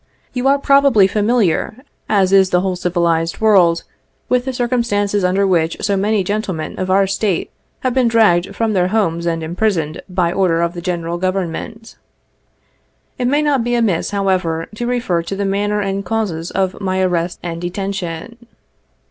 You are probably familiar, as is the whole civilized world, with the circumstances under which so many gentle men of our State have been dragged from their homes and imprisoued by order of the general Government. It may not be amiss, however, to refer to the manner and causes of my arrest and detention.